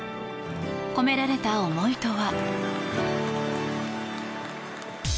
込められた思いとは。